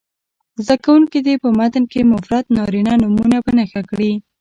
زده کوونکي دې په متن کې مفرد نارینه نومونه په نښه کړي.